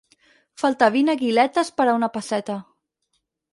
Faltar vint aguiletes per a una pesseta.